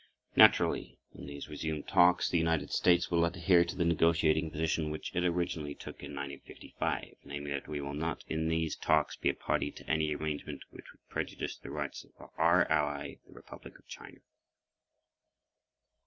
Naturally, in these resumed talks the United States will adhere to the negotiating position which it originally took in 1955, namely, that we will not in these talks be a party to any arrangement which would prejudice the rights of our ally, the Republic of China.